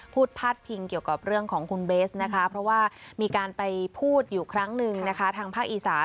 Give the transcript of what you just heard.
พาดพิงเกี่ยวกับเรื่องของคุณเบสนะคะเพราะว่ามีการไปพูดอยู่ครั้งหนึ่งนะคะทางภาคอีสาน